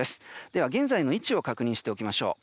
では、現在の位置を確認しておきましょう。